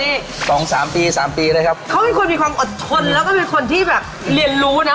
เขาเป็นคนมีความอดทนแล้วก็เป็นคนที่แบบเรียนรู้นะ